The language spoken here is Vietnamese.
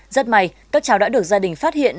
rất may các cháu đã được gia đình phát hiện